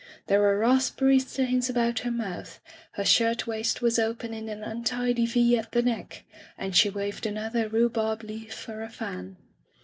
There were raspberry stains about her mouth, her shirt waist was open in an untidy V at the neck, and she waved another rhubarb leaf for a fan.